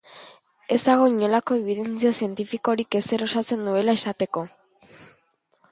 Ez dago inolako ebidentzia zientifikorik ezer osatzen duela esateko.